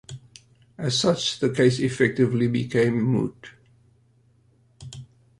As such, the case effectively became moot.